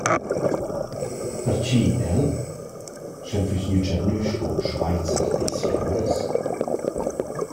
Perche el? Sch’el füss gnü tschernü sco «Schweizer des Jahres».